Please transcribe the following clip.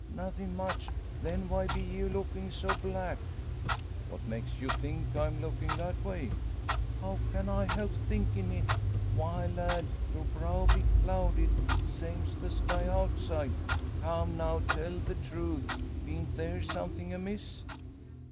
"Nothin' much! Then why be ye looking so black?" "What makes you think I'm lookin' that way?" "How can I help thinkin' it? Why, lad; your brow be clouded, same's the sky outside. Come, now tell the truth! Bean't there somethin' amiss?"